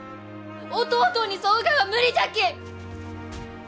弟に添うがは無理じゃき！